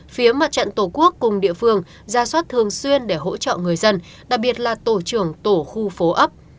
phía mặt trận tổ quốc cùng địa phương ra soát thường xuyên để hỗ trợ người dân đặc biệt là tổ trưởng tổ khu phố ấp